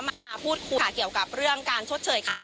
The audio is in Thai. มาพูดคุยเกี่ยวกับเรื่องการชดเชยค่ะ